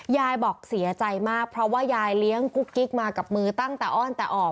ยายบอกเสียใจมากเพราะว่ายายเลี้ยงกุ๊กกิ๊กมากับมือตั้งแต่อ้อนแต่ออก